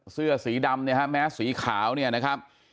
เสื้อสีดำเนี่ยฮะแมสสีขาวเนี่ยนะครับ